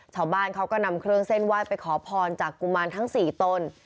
ชาวบ้านเขาก็นำเครื่องเส้นไหว้ไปขอพรจากกุมารทั้ง๔ตน